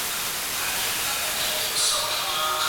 Ugonjwa wa kuhara huathiri ndama wa umri chini ya mwezi mmoja